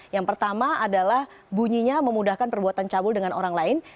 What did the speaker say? yang pertama adalah bunyinya memudahkan perbuatan cabul dengan orang lain